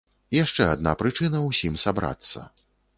Яшчэ адна прычына ўсім сабрацца.